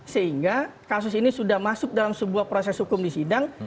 sehingga kasus ini sudah masuk dalam sebuah proses hukum di sidang